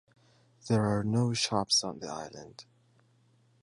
There are no shops on the island.